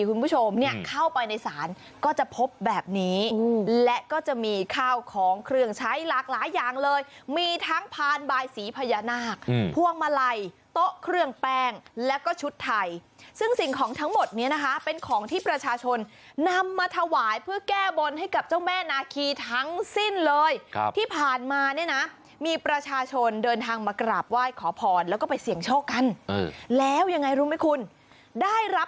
ใครที่มีความเชื่อเกี่ยวกับพญานาคจะต้องรู้ว่า